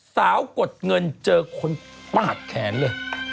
กดเงินเจอคนปาดแขนเลย